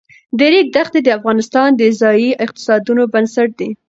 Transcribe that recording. د ریګ دښتې د افغانستان د ځایي اقتصادونو بنسټ دی.